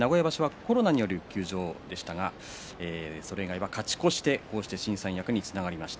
コロナによる休場でしたがそれ以外は勝ち越してこうして新三役につながりました。